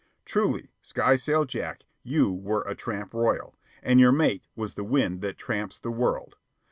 Truly, Skysail Jack, you were a tramp royal, and your mate was the "wind that tramps the world."